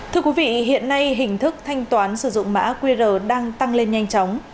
thưa quý vị hiện nay hình thức thanh toán sử dụng mã qr đang tăng lên nhanh chóng